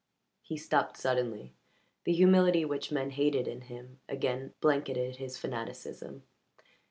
He stopped suddenly; the humility which men hated in him again blanketed his fanaticism.